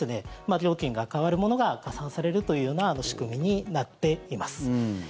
料金が変わるものが加算されるというような仕組みになっています。